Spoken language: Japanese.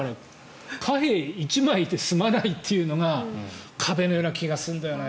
貨幣１枚で済まないというのが壁のような気がするんだよな。